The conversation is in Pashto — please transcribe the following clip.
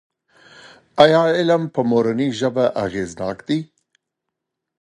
ایا علم په مورنۍ ژبه اغېزناک دی؟